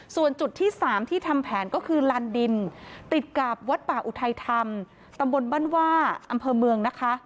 ส่วนจุดที่๓ที่ทำแผนก็คือลานดินติดกับวัดป่าอุทัยธรรมตำบลบ้านว่าอำเภอเมืองนะคะ